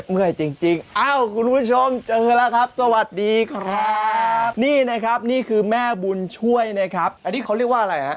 เมื่อยจริงเอ้าคุณผู้ชมเจอแล้วครับสวัสดีครับนี่นะครับนี่คือแม่บุญช่วยนะครับอันนี้เขาเรียกว่าอะไรฮะ